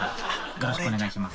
よろしくお願いします。